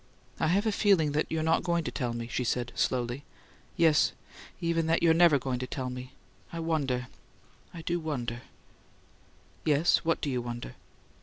"I have a feeling that you're not going to tell me," she said, slowly. "Yes even that you're never going to tell me. I wonder I wonder " "Yes? What do you wonder?"